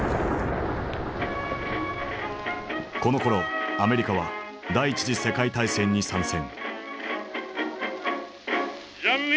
このころアメリカは第一次世界大戦に参戦。